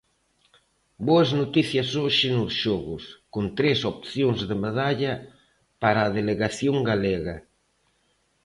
Boas noticias hoxe nos xogos, con tres opcións de medalla para a delegación galega.